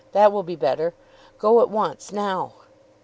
That will be better. Go at once, now."